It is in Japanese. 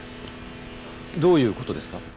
どういう事ですか？